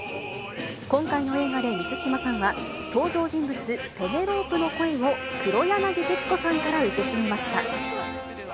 今回の映画で満島さんは、登場人物、ペネロープの声を、黒柳徹子さんから受け継ぎました。